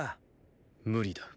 無理だ。